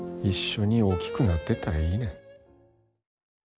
一緒に大きくなってったらいいねん。